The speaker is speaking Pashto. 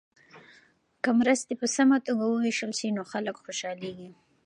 که مرستې په سمه توګه وویشل سي نو خلک خوشحالیږي.